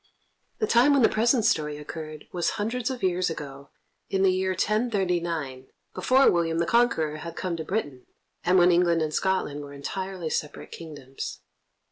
The time when the present story occurred was hundreds of years ago, in the year 1039, before William the Conqueror had come to Britain, and when England and Scotland were entirely separate kingdoms.